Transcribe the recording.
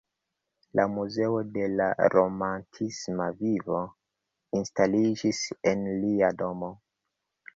La Muzeo de la romantisma vivo instaliĝis en lia domo.